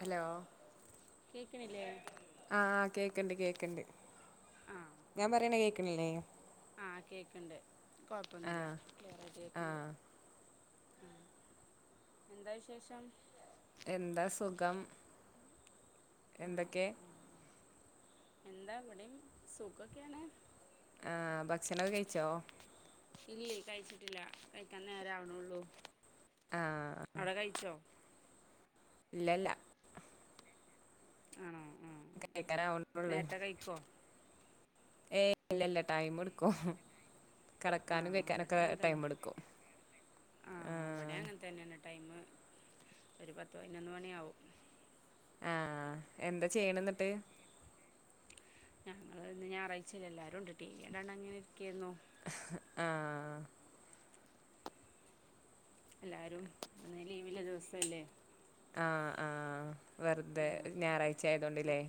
Hello കേക്കണില്ലേ ആഹ് കേക്കണ്ട് കേക്കണ്ട് ആഹ് ഞാൻ പറയണ കേക്കണില്ലേ ആ കൊഴപ്പൊന്നുമില്ല കേറ ആ ക്കേക്ക്ണ്ട് എന്താ വിശേഷം എന്താ സുഖം ആണോ എന്തൊക്കെ ആഹ് എന്താ ഇവിടെയും സുഖൊക്കെണ് ആഹ് ഭക്ഷണം ഒക്കെ കഴിച്ചോ ഇല്ലേ കഴിച്ചിട്ടില്ല കഴിക്കാൻ നേര ആവണള്ളൂ ആ അവിടെകഴിച്ചോ ഇല്ല ല്ല ആണോ ആഹ് കഴിക്കാരാവണേ ഒള്ളു നേരത്തെ കഴിക്കോ ഏയ് ഇല്ല ല്ല ടൈം എടുക്കും കിടക്കാനും ആഹ് ഇവിടെ കഴിക്കാനൊക്കെ അങ്ങനെ ടൈം തന്നെ എടുക്കും ആഹ് ഇവിടെ ആഹ അങ്ങനെ തന്നെയാണ് ടൈമ് ഒരു പത്ത് പതിനൊന്ന് മണിയാാവും ആഹ എന്താ ചെയ്യണ എന്നിട്ട് ഞങ്ങള്ൾ ഇന്ന് ഞായറാഴ്ച ഞാൻ എല്ലാരുംണ്ട് ടിവി കണ്ട് അങ്ങനെ ഇരിക്കായിരുന്നു ആഹ എല്ലാരും ഇന്ന് ലീവില്ല ദിവസല്ലേ ആ ആഹ വെറുതെ ആഹ് ഞായറാഴ്ച ആയതോണ്ടില്ലേ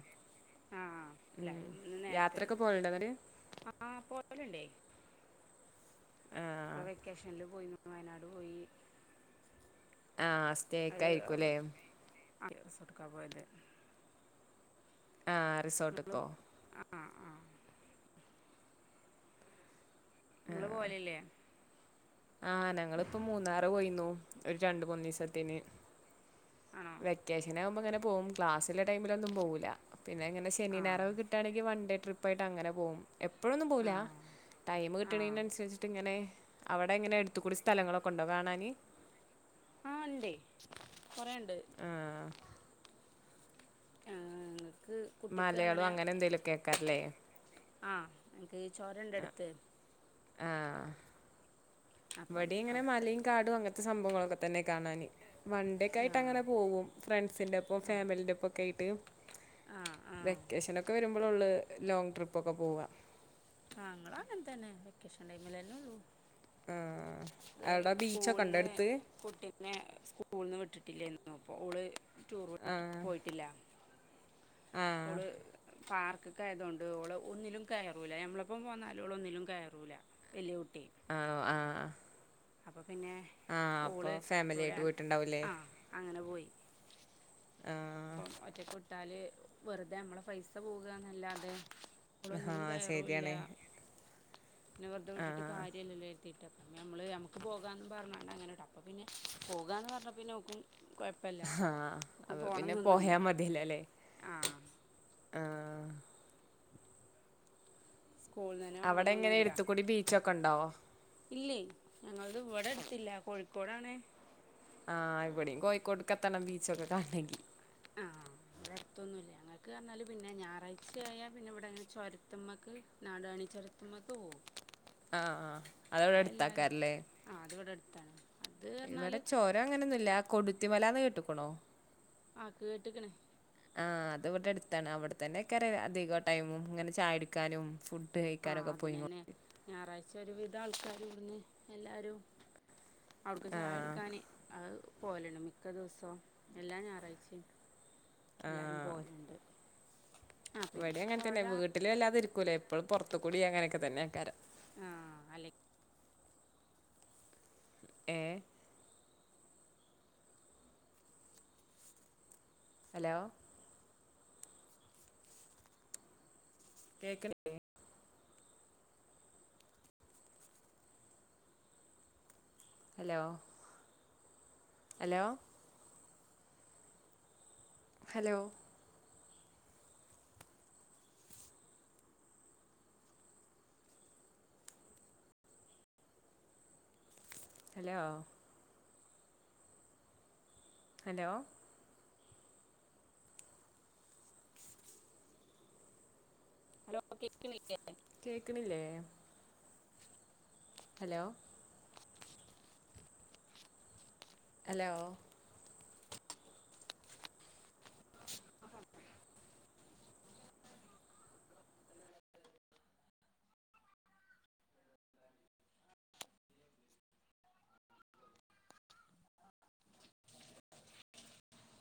ആഹ് ഉം എല്ലാവരും യാത്രയക്കെ പോലുണ്ട്ര് ആഹ പോവലുണ്ടേ ആ ഇ വെക്കേഷൻൽ പോയി വയനാട് പോയി ആഹ സ്റ്റേ ഒക്കായിരിക്കും അല്ലേ ആ ഡ്രസ്സ് എടുക്കാൻ പോയതല്ലേ ആഹ് റിസോട്ട് ക്കോ ആഹ് ആഹ് നിങ്ങള് പോൽല്ലേ ആഹ് ഞങ്ങിപ്പോ മൂന്നാറ് പോയിന്നു ഒരു രണ്ട് മൂന്നു ദിവസത്തിന് ആണോ വെക്കേഷനാകുമ്പോങ്ങനെ പോവും ക്ലാസ് ടൈമിലൊന്നും പോകുല്ല പിന്നെങ്ങനെ ശനി ഞായർ ആഹ് കിട്ടാണെങ്കി വൺ ഡേ ഡേട്രിപ്പ് ആയിട്ട ങ്ങനെ പോകും എപ്പോഴൊന്നും പോവുല്ല ടൈം ആഹ് കിട്ടണന് അനുസരിച്ചിട്ട് ഇങ്ങനെ അവടെ എങ്ങനെ എടുത്ത്ക്കൂടി സ്ഥലങ്ങളൊക്കെ ഉണ്ടോ കാണാൻ ആഹ് ഇണ്ടെ കൊറെണ്ട് ആഹ് ഞങ്ങക്ക് കുട്ടിക്ക് മലയാളം അങ്ങനെ എന്തേലും കേക്കാറില്ലേ [unintelligible] അടുത്ത് ആഹ് അപ്പം ഇവിടി ഇങ്ങനെ അവിട്ക്ക് മലയും എടക്ക് കാടും അങ്ങനത്തെ സംഭവങ്ങളൊക്കെ തന്നെ കാണാന് വൺണ്ടി ഒക്ക ആയിട്ട് ആഹ് അങ്ങനെ പോവും ഫ്രണ്ട്സിൻന്റെപ്പം ഫാമിലിന്റെ ഒപ്പ ഒക്കെ ആയിട്ട് ആഹ് ആഹ് വെക്കേഷനൊക്കെ വരുമ്പോള ള്ളു ലോങ് ട്രിപ്പ ഒക്കെ പോവാ ആഹ് ങ്ങൾ അങ്ങൻ തന്നെ വെക്കേഷൻ ടൈമല്ലന്നെ ഉള്ളൂ ആഹ് അവിടെ ബീച്ചൊക്കെ ഉണ്ടോ സ്കൂൾന്ന് അടുത്ത് കുട്ടീനെ സ്കൂൾ ന്ന് വിട്ടിട്ടില്ലേന്ന് നോ പ്പോ ഓള് ടൂർ ആഹ് പോയിട്ടില്ല ആഹ് ഓൾ പാർക്കിക്ക് ആയത് കൊണ്ട് ഒന്നിലും കയറുല നമ്മൾ പ്പം പോന്നാലും ഓള് ഒന്നിലും കയറൂല്ല വല്ല്യ കു ആഹ് ആഹ് അപ്പം പിന്നെ അപ്പൊ ഓള് ഫാമിലി ആയിട്ട് [unintelligible] പോയിട്ടുണ്ടാവൂലേ ആഹ് അങ്ങനെ പോയി ആഹ് അപ്പം ഒറ്റക്ക് ട്ടാല് വെറുതെ നമ്മളെ പൈസ പോകാന്നല്ലാ തെ ഓള് ഒന്നിലും ആഹ് കയറൂല്ല ശരിയാണ് പിന്നെ വെറ്തെ വിട്ടിട്ട് ആഹ് കാര്യ ഇല്ലല്ലോ കര്തീട്ടാ പിന്നെ നമ്മൾ നമുക്ക് പോവാന്ന് പറഞ്ഞ [unintelligible] അപ്പം പിന്നെ പോകാന്ന് പറഞ്ഞ പിന്ന ഓക്കും കുഴ്പ്പല്ല ആഹ് അപ്പൊ പിന്നെ പോയാ മതെല്ലോ ലെ ആഹ് സ്കൂളിൽ തന്നെ അവിടെ അങ്ങനെ വേണമെന്നൊന്നുമില്ല എട്ത്തുകുടി ബീച്ചൊക്കെണ്ടോ? ഞങ്ങൾത് ഇവ്വടെ അട്ത്തില്ല കോഴിക്കോടാണ് ആഹ് ഇവടിം കോഴിക്കോട്ക്കെ എത്തണം ബീച്ച് ഒക്കെ കാണണെങ്കി ക്ക് പറഞ്ഞാല് പിന്നെ ഞാറാഴ്ചയായ പിന്നെ ഇവിടെ ചോര്ത്ത്മ്മക്ക് നാടാണി ചോര്ത്ത്മ്മക്ക് പോവും ആഹ് ആഹ് അഹ് ഔടെ ആ എല്ലാവരും അട്ത്താക്കാരല്ലേ? ആ അത് ഇവിടെ അടുത്താണ് അത് പറഞ്ഞാൽ ഇവിടെ ചോരം അങ്ങനൊന്നുല്ല കൊടുത്തിമലന്ന് കേട്ട്ക്ണോ? ആഹ് കേട്ട്ക്ണ് ആഹ് അത് ഇവ്ടെ അട്ത്താണ് അവിടെത്തന്നെ ക്കാരം അധിക ടൈമും ഇങ്ങനെ ചായ കുടിക്കാനും ഫുഡ് ആഹ് കഴിക്കാനൊക്കെ പോയിങ്ങോ അതിനന്നെ ഞാറാഴ്ച ഒരു വി ത ആൾക്കാരും ഇവിട്ന്ന് എല്ലാരും അവ്ട്ക്ക് ചായ ആഹ് കുടിക്കാന് പോല്ണ്ട് മിക്ക ദിവസവും എല്ലാം ഞാറാഴ്ച്ചയും എല്ലാരും പോല്ണ്ട് ഇവിടെ അങ്ങൻ തന്നെ വീട്ട്ല് വല്ലാതെ ഇരിക്കൂലേ എപ്പളും പോർത്തുകുടി അങ്ങനൊക്കെ തന്നെ ആക്കാരം ആഹ് അല്ലെ ഏ ഹലോ കേക്ക് നില്ലേ hello hello hello hello hello hello കേക്ണി കേക്ക്ണില്ലേ ഹലോ ഹലോ